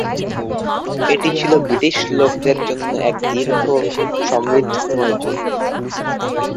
এটি ছিল ব্রিটিশ লোকদের জন্য এক দীর্ঘ, সমৃদ্ধিময় যুগ।